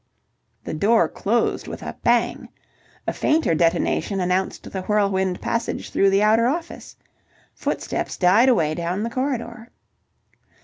The door closed with a bang. A fainter detonation announced the whirlwind passage through the outer office. Footsteps died away down the corridor.